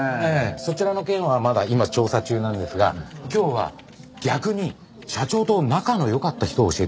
そちらの件はまだ今調査中なんですが今日は逆に社長と仲の良かった人を教えてほしいんですよ。